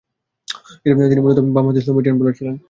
তিনি মূলতঃ বামহাতি স্লো-মিডিয়াম বোলার ছিলেন।